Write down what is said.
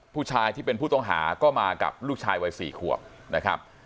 ผู้ชายที่เป็นผู้ต้องหาก็มากับลูกชายวัย๔ขวบนะครับ